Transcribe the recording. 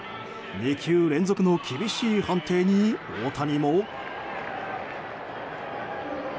２球連続の厳しい判定に大谷も。